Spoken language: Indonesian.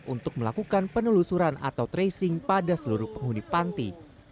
untuk melakukan penelusuran atau tracing pada seluruh penghuni panti